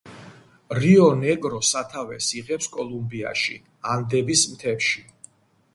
რიო-ნეგრო სათავეს იღებს კოლუმბიაში, ანდების მთებში.